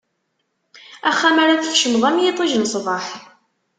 Axxam ara tkecmeḍ, am yiṭij n ṣṣbeḥ.